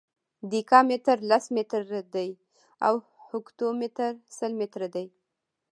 دیکا متر لس متره دی او هکتو متر سل متره دی.